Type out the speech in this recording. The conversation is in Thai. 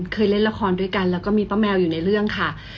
เคยเล่นละครด้วยกันแล้วก็มีป้าแมวอยู่ในเรื่องค่ะ